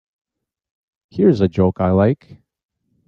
Here's a joke I like.